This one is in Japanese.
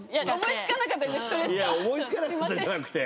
思い付かなかったじゃなくて。